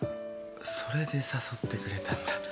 それで誘ってくれたんだ。